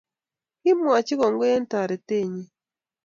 kimwachi kongoi eng taretenyi